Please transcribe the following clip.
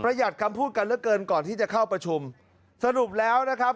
หยัดคำพูดกันเหลือเกินก่อนที่จะเข้าประชุมสรุปแล้วนะครับ